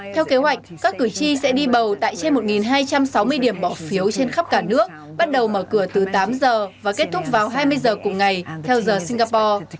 theo kế hoạch các cử tri sẽ đi bầu tại trên một hai trăm sáu mươi điểm bỏ phiếu trên khắp cả nước bắt đầu mở cửa từ tám giờ và kết thúc vào hai mươi giờ cùng ngày theo giờ singapore